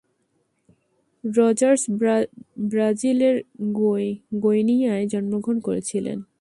Rogers ব্রাজিলের গোইনিয়ায় জন্মগ্রহণ করেছিলেন।